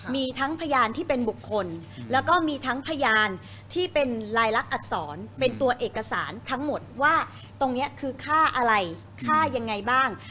มีทั้งพยานที่เป็นบุคคลแล้วก็มีทั้งพยานที่เป็นลายลักษรเป็นตัวเอกสารทั้งหมดว่าตรงนี้คือค่าอะไรค่ายังไงบ้าง